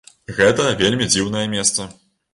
Гэта вельмі дзіўнае месца.